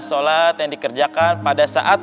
sholat yang dikerjakan pada saat